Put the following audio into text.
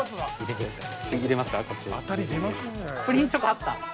プリンチョコあった。